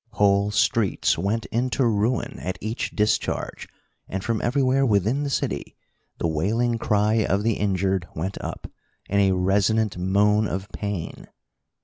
Whole streets went into ruin at each discharge and from everywhere within the city the wailing cry of the injured went up, in a resonant moan of pain.